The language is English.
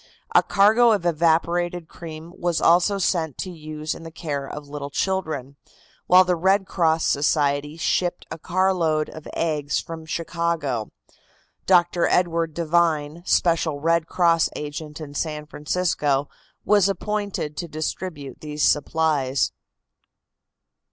A cargo of evaporated cream was also sent to use in the care of little children, while the Red Cross Society shipped a carload of eggs from Chicago. Dr. Edward Devine, special Red Cross agent in San Francisco, was appointed to distribute these supplies.